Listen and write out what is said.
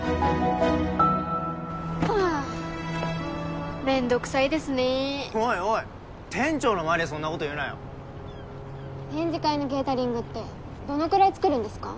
はあめんどくさいですねおいおい店長の前でそんなこと言うなよ展示会のケータリングってどのくらい作るんですか？